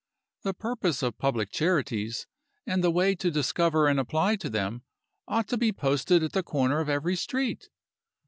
The purpose of public charities, and the way to discover and apply to them, ought to be posted at the corner of every street.